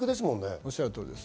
おっしゃる通りです。